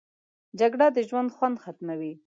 جګړه د ژوند خوند ختموي